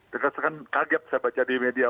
terkesan kaget saya baca di media